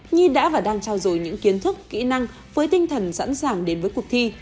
nhi đã và đang trao dồi những kiến thức kỹ năng với tinh thần sẵn sàng đến với cuộc thi